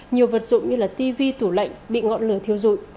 nhiều vật dụng như là tv tủ lệnh bị ngọn lửa thiếu dụi